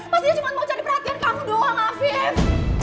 pastinya cuma mau cari perhatian kamu doang afif